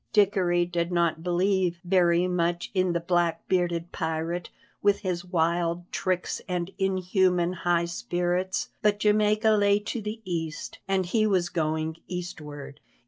Dickory did not believe very much in the black bearded pirate, with his wild tricks and inhuman high spirits, but Jamaica lay to the east, and he was going eastward.